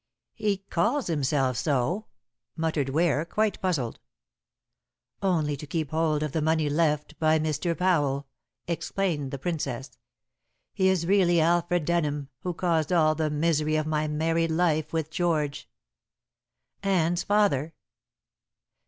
"He calls himself so," muttered Ware, quite puzzled. "Only to keep hold of the money left by Mr. Powell," explained the Princess. "He is really Alfred Denham, who caused all the misery of my married life with George." "Anne's father."